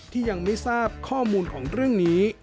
ที่ยังไม่ทราบข้อมูลของเรื่องนี้